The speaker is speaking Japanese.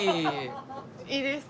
いいですか？